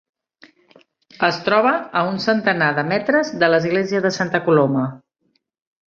Es troba a un centenar de metres de l'església de Santa Coloma.